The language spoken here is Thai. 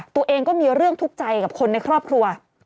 ตัวเองก็มีเรื่องทุกข์ใจกับคนในครอบครัว